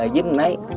dính mình ấy